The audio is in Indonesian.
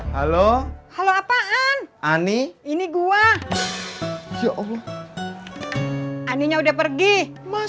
halo halo apaan ani ini gua ya allah aninya udah pergi masa